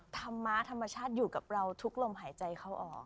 ธรรมะธรรมชาติอยู่กับเราทุกลมหายใจเข้าออก